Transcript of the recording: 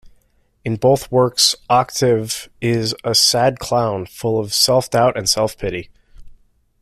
In both works Octave is a "sad clown" full of self-doubt and self-pity.